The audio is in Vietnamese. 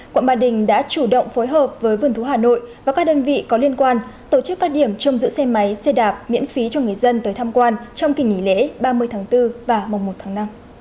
quận ba đình đã chủ động phối hợp với vườn thú hà nội và các đơn vị có liên quan tổ chức các điểm trong giữ xe máy xe đạp miễn phí cho người dân tới tham quan trong kỳ nghỉ lễ ba mươi tháng bốn và mùa một tháng năm